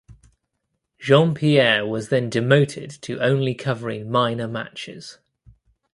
Jeanpierre was then demoted to only covering minor matches.